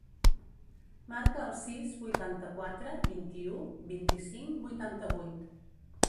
Marca el sis, vuitanta-quatre, vint-i-u, vint-i-cinc, vuitanta-vuit.